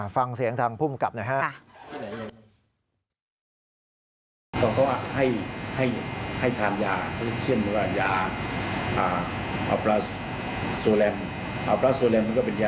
ฟังเสียงทางผู้มกับนะครับ